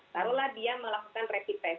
taruhlah dia melakukan rapid test